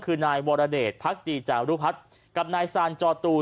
คือนายวรเดชพักดีจารุพัฒน์กับนายซานจอตูน